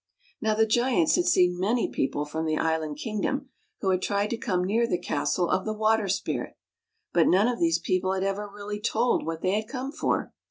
Now the giants had seen many people from the island kingdom who had tried to come near the castle of the Water Spirit, but none of these people had ever really told what they had come for.